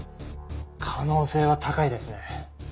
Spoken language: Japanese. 可能性は高いですね。